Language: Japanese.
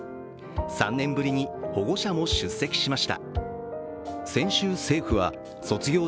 ３年ぶりに保護者も出席しました。